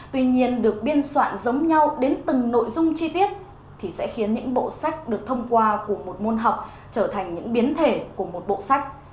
tuy nhiên được biên soạn giống nhau đến từng nội dung chi tiết thì sẽ khiến những bộ sách được thông qua của một môn học trở thành những biến thể của một bộ sách